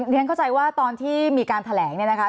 เรียนเข้าใจว่าตอนที่มีการแถลงเนี่ยนะคะ